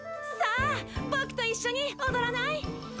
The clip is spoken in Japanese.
さあぼくと一緒におどらない？